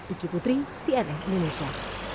iki putri cnn indonesia